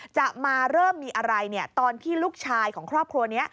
จะมาเริ่มมีอะไรตอนที่ลูกชายของครอบครัวนี้